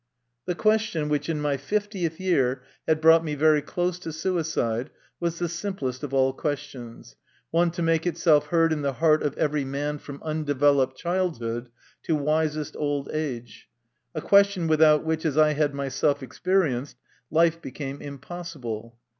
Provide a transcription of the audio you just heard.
The question, which in my fiftieth year had brought me very close to suicide, was the simplest of all questions one to make itself heard in the heart of every man from unde veloped childhood to wisest old age ; a question without which, as I had myself experienced, life became impossible.